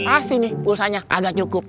asli nih usahanya agak cukup